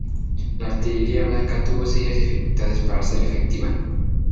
La artillería blanca tuvo serias dificultades para ser efectiva.